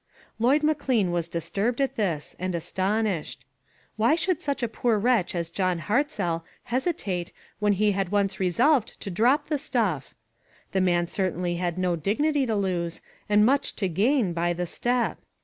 Lloyd McLean was disturbed at this, and astonished. Why should such a poor wretch as John Hartzell hesitate when he had once resolved to drop the stuff? The man cer tainly had no dignity to lose, and much to gain, by the step.